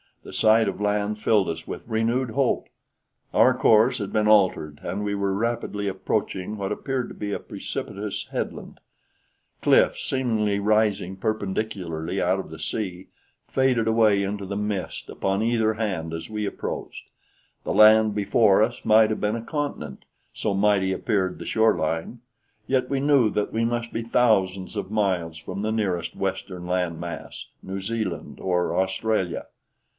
The sight of land filled us with renewed hope. Our course had been altered, and we were rapidly approaching what appeared to be a precipitous headland. Cliffs, seemingly rising perpendicularly out of the sea, faded away into the mist upon either hand as we approached. The land before us might have been a continent, so mighty appeared the shoreline; yet we knew that we must be thousands of miles from the nearest western land mass New Zealand or Australia.